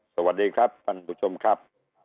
สวัสดีครับท่านผู้ชมครับ